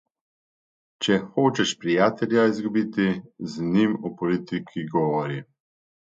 Če hočeš prijatelja izgubiti, z njim o politiki govori.